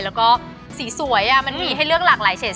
แล้วก็สีสวยมันมีให้เลือกหลากหลายเฉด